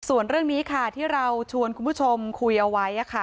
ส่วนเรื่องนี้ค่ะที่เราชวนคุณผู้ชมคุยเอาไว้